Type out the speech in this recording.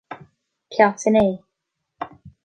Ceacht a naoi